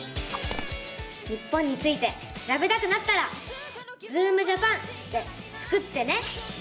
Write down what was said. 日本についてしらべたくなったら「ズームジャパン」でスクってね！